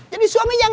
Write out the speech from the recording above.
jadi suami aja gini